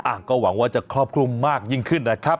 ก็หวังว่าจะครอบคลุมมากยิ่งขึ้นนะครับ